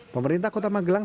pemerintah kota magelang